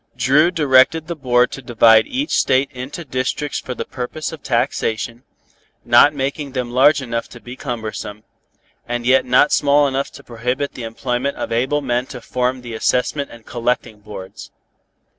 Dru directed the board to divide each state into districts for the purpose of taxation, not making them large enough to be cumbersome, and yet not small enough to prohibit the employment of able men to form the assessment and collecting boards.